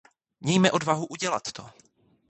Mějme odvahu udělat to.